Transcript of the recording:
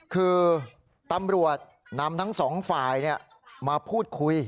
คือตำรวจนำทั้งสองฝ่ายมาพูดคุย